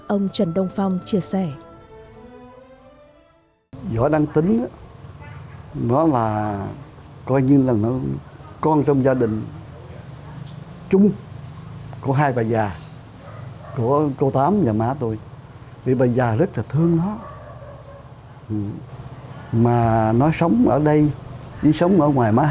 ông trần đông phong chia sẻ